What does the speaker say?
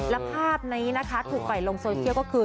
แล้วภาพนี้ถูกไหวลงโซเชียลก็คือ